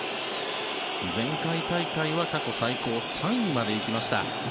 前回大会は過去最高３位まで行きました。